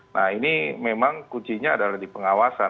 nah ini memang kuncinya adalah di pengawasan